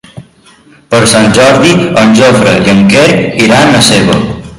Per Sant Jordi en Jofre i en Quer iran a Seva.